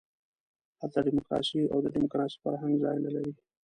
هلته ډیموکراسي او د ډیموکراسۍ فرهنګ ځای نه لري.